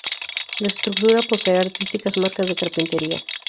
La estructura posee artísticas marcas de carpintería.